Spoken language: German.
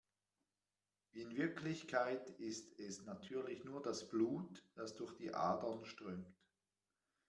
In Wirklichkeit ist es natürlich nur das Blut, das durch die Adern strömt.